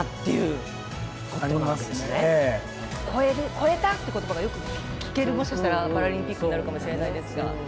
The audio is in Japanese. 超えた！って言葉がよく聞けるもしかしたらパラリンピックになるかもしれないですが。